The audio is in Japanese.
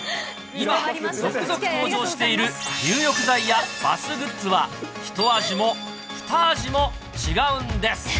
今、続々登場している入浴剤やバスグッズは、ひと味もふた味も違うんです。